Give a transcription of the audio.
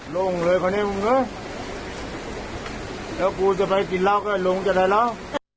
ลงเลยคนนี้มึงเนอะถ้ากูจะไปกินเราก็ไอลงจะได้แล้ว